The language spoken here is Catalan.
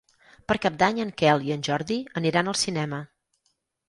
Per Cap d'Any en Quel i en Jordi aniran al cinema.